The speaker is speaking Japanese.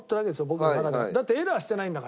僕の中で。